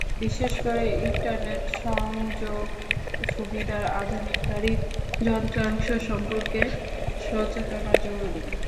বিশেষ করে ইন্টারনেট সংযোগ সুবিধার আধুনিক গাড়ির যন্ত্রাংশ সম্পর্কে সচেতনতা জরুরি।